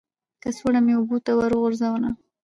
کڅوړه مې اوبو ته ور وغورځوله.